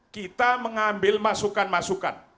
kita mengambil masukan masukan